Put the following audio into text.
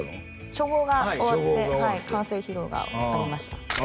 初号が終わって完成披露がありましたあ